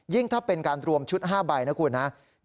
ยิ่งถ้าเป็นการรวมชุด๕ใบนะคุณ